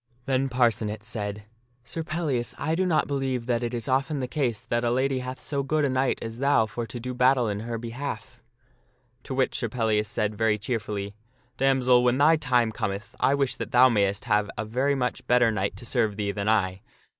Then Parcenet said, " Sir Pellias, I do not believe that it is often the case that a lady hath so good a knight as thou for to do battle in her behalf." To which Sir Pellias said very cheerfully, " Damsel, when thy time cometh I wish that thou mayst have a very much better knight to serve thee than I."